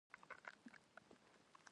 استاد د ښوونځي فکري مشر دی.